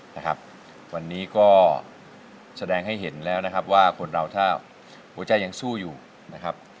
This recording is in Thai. นะครับวันนี้ก็แสดงให้เห็นแล้วนะครับว่าคนเราถ้าหัวใจยังสู้อยู่นะครับ